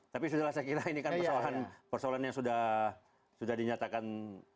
tapi sudah lah saya kira ini kan persoalan yang sudah dinyatakan